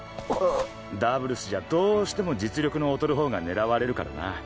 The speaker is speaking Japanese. ダブルスじゃどうしても実力の劣る方が狙われるからな。